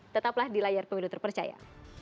tetaplah di layar pemilu terpercaya